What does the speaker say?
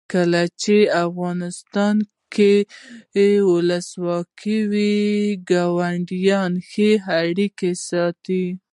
کله چې افغانستان کې ولسواکي وي ګاونډیان ښه اړیکې ساتي.